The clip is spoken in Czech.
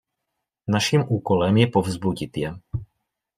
Naším úkolem je povzbudit je.